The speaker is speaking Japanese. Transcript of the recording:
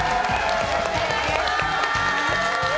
よろしくお願いします。